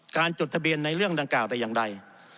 การจดทะเบียนในเรื่องดังกล้าวได้อย่างไร